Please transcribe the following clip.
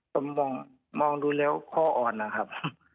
ผมมองดูแล้วข้ออ่อนนะครับ